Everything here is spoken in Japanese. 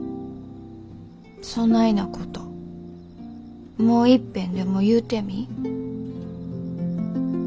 そないなこともういっぺんでも言うてみ。